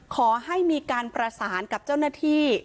ขอให้มีการประสานกับเจ้าหน้าที่